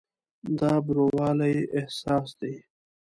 دا بروالي احساس دی.